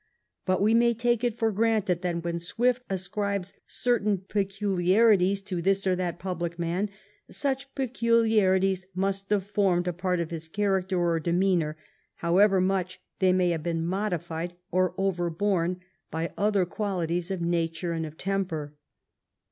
But we may take it for granted that when Swift ascribes certain peculiarities to this or that public man, such peculiarities must have formed a part of his character or demeanor, however much they may have been modified or over borne by other qualities of nature and of temper.